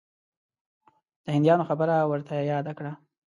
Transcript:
د هندیانو خبره ورته یاده کړه.